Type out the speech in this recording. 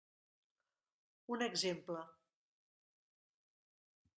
Un exemple.